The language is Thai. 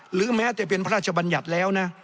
หรือแม้แต่เป็นพระราชบัญญัติแล้วนะ